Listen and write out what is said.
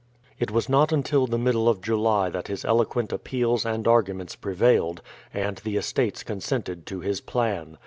It was not until the middle of July that his eloquent appeals and arguments prevailed, and the estates consented to his plan.